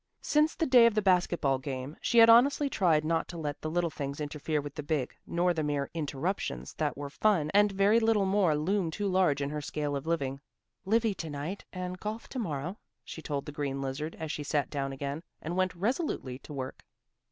Since the day of the basket ball game she had honestly tried not to let the little things interfere with the big, nor the mere "interruptions" that were fun and very little more loom too large in her scale of living. "Livy to night and golf to morrow," she told the green lizard, as she sat down again and went resolutely to work.